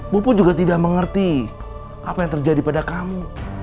popo juga tidak mengerti apa yang terjadi pada kamu